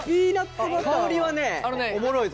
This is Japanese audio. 香りはねおもろいぞ。